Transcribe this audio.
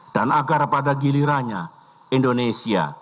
dan agar pada gilirannya indonesia